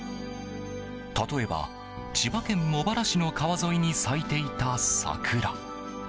例えば、千葉県茂原市の川沿いに咲いていた桜。